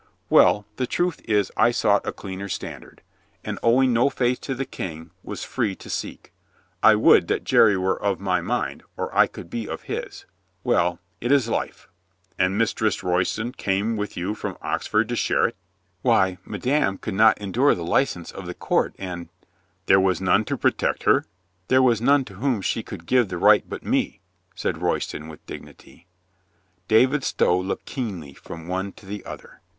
"Well, the truth is I sought a cleaner standard, and owing no faith to the King, was free to seek. I would that Jerry were of my mind or I could be of his. Well, it is life!" 292 COLONEL GREATHEART "And Mistress Royston came with you from Ox ford to share it?" "Why, madame could not endure the license of the court, and —" "There was none to protect her?" "There was none to whom she could give the right but me," said Royston with dignity. David Stow looked keenly from one to the other.